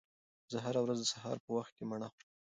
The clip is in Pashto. زه هره ورځ د سهار په وخت کې مڼه خورم.